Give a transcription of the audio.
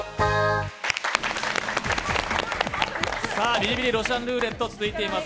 ビリビリロシアンルーレット、続いています。